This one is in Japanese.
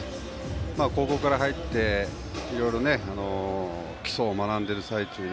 高校から入っていろいろ基礎を学んでいる最中で。